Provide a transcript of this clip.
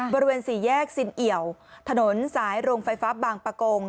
บริเวณสี่แยกซินเอี่ยวถนนสายโรงไฟฟ้าบางประกง